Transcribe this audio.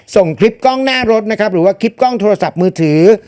ส่งคลิปกล้องหน้ารถนะครับหรือว่าคลิปกล้องโทรศัพท์มือถือ